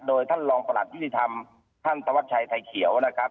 โดยท่านรองประหลัดยุติธรรมท่านธวัชชัยไทยเขียวนะครับ